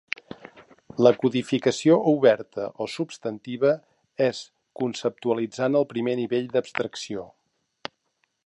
La codificació oberta o substantiva és conceptualitzar en el primer nivell d'abstracció.